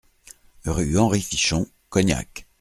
Rue Henri Fichon, Cognac